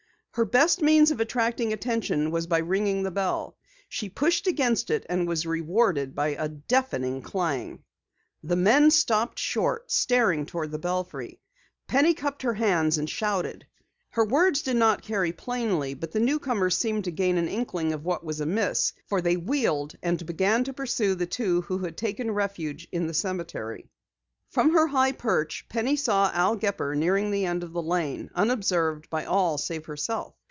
Her best means of attracting attention was by ringing the bell. She pushed against it and was rewarded by a deafening clang. The men stopped short, staring toward the belfry. Penny cupped her hands and shouted. Her words did not carry plainly, but the newcomers seemed to gain an inkling of what was amiss, for they wheeled and began to pursue the two who had taken refuge in the cemetery. From her high perch, Penny saw Al Gepper nearing the end of the Lane, unobserved by all save herself.